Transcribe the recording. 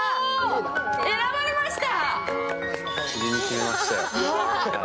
選ばれました。